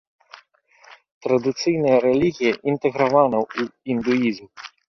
Традыцыйная рэлігія інтэгравана ў індуізм.